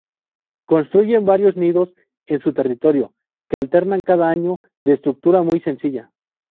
Construyen varios nidos en su territorio, que alternan cada año, de estructura muy sencilla.